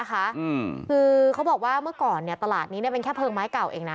คือเค้าบอกว่าเมื่อก่อนเนี่ยตลาดนี้เนี่ยเป็นแค่เผืองไม้เก่าเองนะ